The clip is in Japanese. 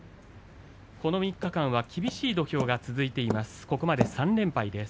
この３日間は厳しい土俵が続いています。